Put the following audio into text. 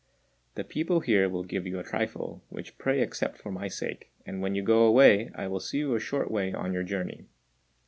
The people here will give you a trifle, which pray accept for my sake; and when you go away, I will see you a short way on your journey."